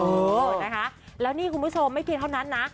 เออนะคะแล้วนี่คุณผู้ชมไม่เพียงเท่านั้นนะ